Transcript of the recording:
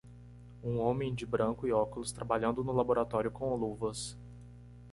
Um homem de branco e óculos, trabalhando no laboratório com luvas